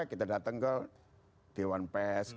kita datang ke dewan pers